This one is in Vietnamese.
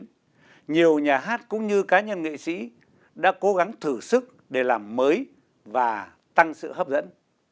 tuy nhiên nhiều nhà hát cũng như cá nhân nghệ sĩ đã cố gắng thử sức để làm mới và tăng sự hấp dẫn